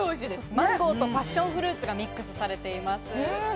マンゴーとパッションフルーツがミックスされています。